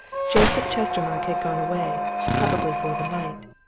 Joseph Chestermarke had gone away probably for the night.